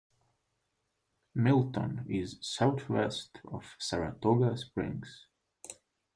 Milton is southwest of Saratoga Springs.